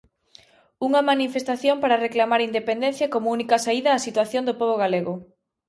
Unha manifestación para reclamar a independencia como única saída á situación do pobo galego.